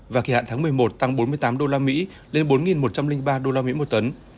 và kỳ hạn tháng một mươi một tăng bốn mươi tám usd lên bốn một trăm linh ba usd một tấn